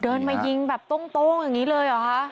เดินไปยิงแบบตรงอย่างงี้เลยหรอฮะ